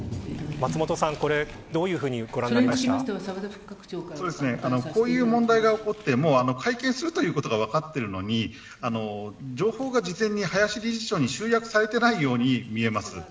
松本さん、これどういうふうにこういう問題が起こって会見するということが分かってるのに情報が事前に林理事長に集約されていないように見えます。